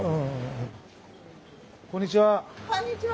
こんにちは。